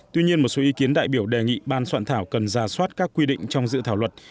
tuy nhiên một số ý kiến đại biểu đề nghị ban soạn thảo cần ra soát các quy định trong dự thảo luật